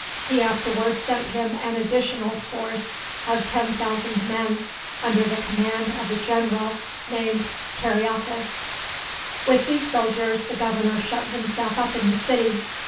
He afterward sent him an additional force of ten thousand men, under the command of a general named Kariakas. With these soldiers the governor shut himself up in the city.